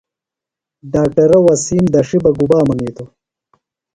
ڈاکٹرہ وسیم دڇھی بہ گُبا منِیتوۡ؟